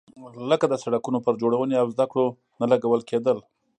لکه د سړکونو پر جوړونې او زده کړو نه لګول کېدل.